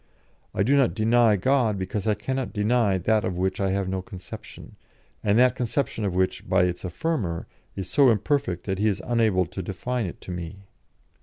I do not deny God, because I cannot deny that of which I have no conception, and the conception of which, by its affirmer, is so imperfect that he is unable to define it to me."'